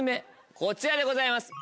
こちらでございます。